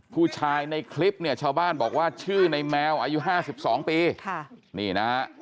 ผู้ชายในคลิปเนี่ยชาวบ้านบอกว่าชื่อในแมวอายุ๕๒ปีค่ะนี่นะฮะ